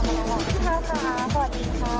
เกะกะแปลว่าอย่างไหนค่ะ